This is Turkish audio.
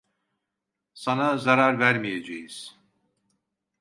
Sana zarar vermeyeceğiz.